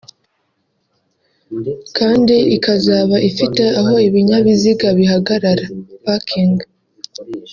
kandi ikazaba ifite aho ibinyabiziga bihagarara (parking)